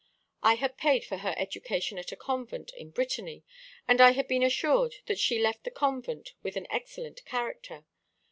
I had paid for her education at a convent in Brittany; and I had been assured that she left the convent with an excellent character.